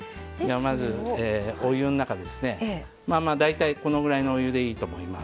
まず、お湯の中大体、このぐらいのお湯でいいと思います。